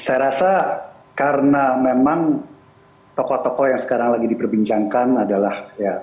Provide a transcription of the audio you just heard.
saya rasa karena memang tokoh tokoh yang sekarang lagi diperbincangkan adalah